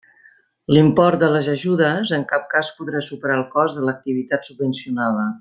L'import de les ajudes en cap cas podrà superar el cost de l'activitat subvencionada.